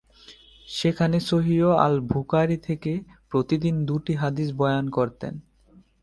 সেখানে সহিহ আল-বুখারি থেকে প্রতিদিন দুটি হাদিস বয়ান করতেন।